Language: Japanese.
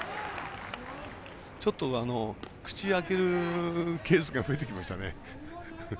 口を開けるケースが増えてきましたね。